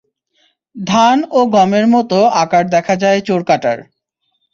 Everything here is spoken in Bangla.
ধান ও গমের মতো আকার দেখা যায় চোরকাঁটার।